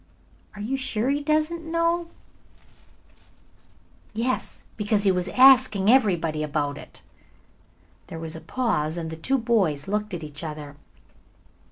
"Are you sure he doesn't know?" "Yes, because he has been asking everybody about it." There was a pause and the two boys looked at each other.